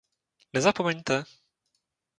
Nezapomeňte!